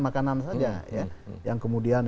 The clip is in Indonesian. makanan saja yang kemudian